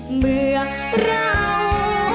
เมื่อเรา